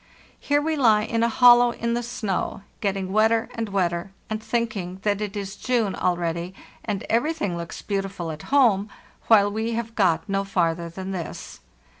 Here we le in a hollow in the snow, getting wetter and wetter, and thinking that it is June already and everything looks beautiful at home, while we have got no farther than this.